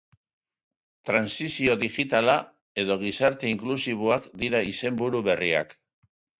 Trantsizio digitala edo Gizarte inklusiboak dira izenburu berriak.